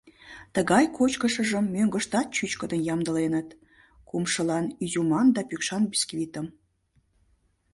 Тыгай кочкышыжым мӧҥгыштат чӱчкыдын ямдыленыт; кумшылан — изюман да пӱкшан бисквитым.